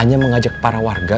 hanya mengajak para warga